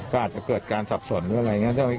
ก็อาจจะเกิดการสับสนหรืออะไรอย่างนี้